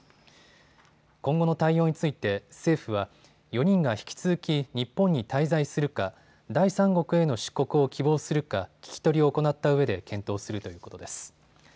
今後の対応について政府は４人が引き続き日本に滞在するか第三国への出国を希望するか聴き取りを行ったうえで検討するということです。